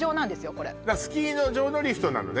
これスキー場のリフトなのね